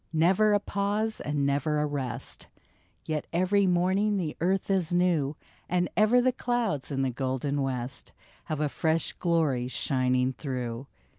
" Never a pause and never a rest ; Yet every morning the earth is new, And ever the clouds in the golden west Have a fresh glory shining through."